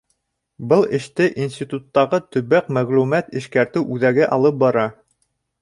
Был эште институттағы Төбәк мәғлүмәт эшкәртеү үҙәге алып бара.